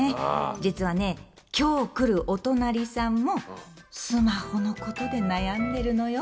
実はね今日来るおとなりさんもスマホのことで悩んでるのよ。